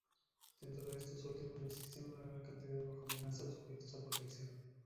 Dentro de estos últimos, existen una gran cantidad bajo amenaza o sujetos a protección.